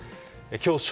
きょう正